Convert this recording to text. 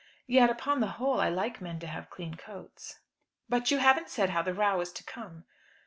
Yet, upon the whole, I like men to have clean coats." "But you haven't said how the row is to come."